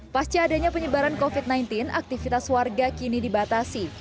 pasca adanya penyebaran covid sembilan belas aktivitas warga kini dibatasi